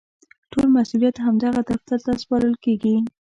ټول مسوولیت همدغه دفتر ته سپارل کېږي.